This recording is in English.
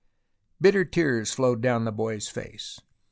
Bitter tears flowed down the boy's face.